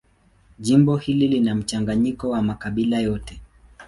Jimbo hili lina mchanganyiko wa makabila yote.